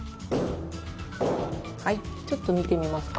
はいちょっと見てみますか？